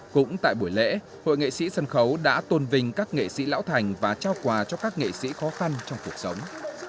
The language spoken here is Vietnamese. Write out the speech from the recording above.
cũng tại buổi lễ hội nghệ sĩ sân khấu đã tôn vinh các nghệ sĩ lão thành và trao quà cho các nghệ sĩ khó khăn trong cuộc sống